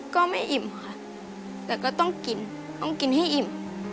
ก็ไม่อิ่มค่ะแต่ก็ต้องกินต้องกินให้อิ่ม